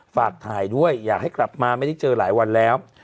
ฝากถ่ายด้วยอยากให้กลับมาไม่ได้เจอหลายวันแล้ว